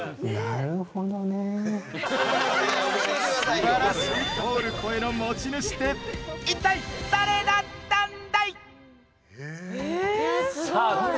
すばらしく通る声の持ち主っていったい誰だったんだい！